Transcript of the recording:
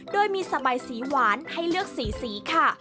โดยมีสบายสีหวานให้เลือกสีสีค่ะ